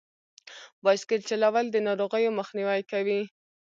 بایسکل چلول د ناروغیو مخنیوی کوي.